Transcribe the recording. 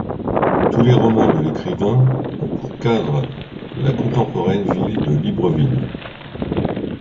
Tous les romans de l’écrivain ont pour cadre la contemporaine ville de Libreville.